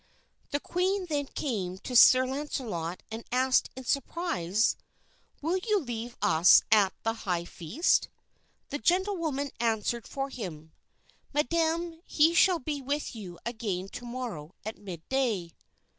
The queen then came to Sir Launcelot and asked in surprise, "Will you leave us at the high feast?" The gentlewoman answered for him: "Madam, he shall be with you again to morrow at mid day."